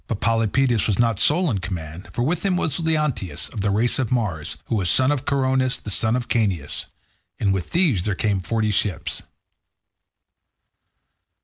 But Polypoetes was not sole in command, for with him was Leonteus, of the race of Mars, who was son of Coronus, the son of Caeneus. And with these there came forty ships.